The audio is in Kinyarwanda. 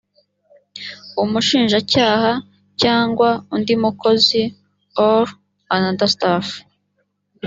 umushinjacyaha cyangwa undi mukozi or another staff